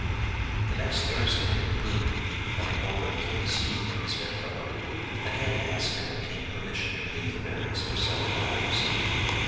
The next Thursday Luc, having borrowed ten sous from his bedfellow, again asked and obtained permission to leave the barracks for several hours.